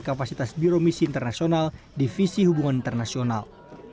kapasitas biro misi internasional divisi hubungan internasional